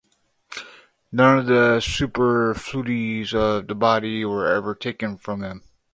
None of the superfluities of the body were ever taken from him.